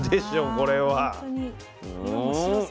これは。